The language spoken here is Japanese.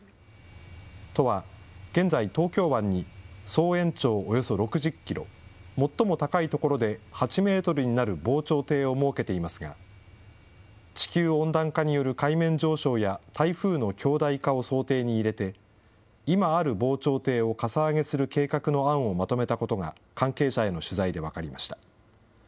都は現在、東京湾に総延長およそ６０キロ、最も高い所で８メートルになる防潮堤を設けていますが、地球温暖化による海面上昇や台風の強大化を想定に入れて、今ある防潮堤をかさ上げする計画の案をまとめたことが関係者への取材で分かりました。